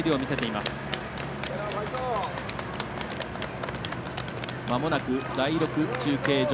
まもなく第６中継所。